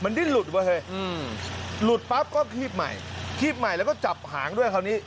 ดิ้นหลุดว่ะเฮ้ยอืมหลุดปั๊บก็คีบใหม่คีบใหม่แล้วก็จับหางด้วยคราวนี้